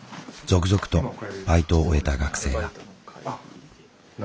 続々とバイトを終えた学生が。